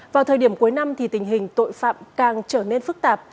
vào thời điểm cuối năm thì tình hình tội phạm càng trở nên phức tạp